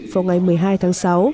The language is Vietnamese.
vào ngày một mươi hai tháng sáu